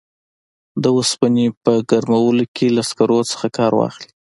د اوسپنې په ګرمولو کې له سکرو څخه کار واخلي.